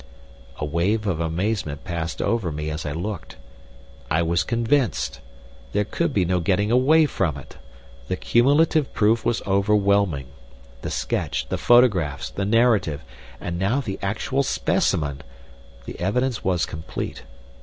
A wave of amazement passed over me as I looked. I was convinced. There could be no getting away from it. The cumulative proof was overwhelming. The sketch, the photographs, the narrative, and now the actual specimen the evidence was complete.